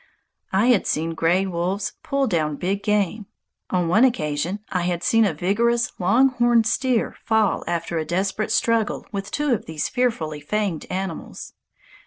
I had seen gray wolves pull down big game. On one occasion I had seen a vigorous long horned steer fall after a desperate struggle with two of these fearfully fanged animals.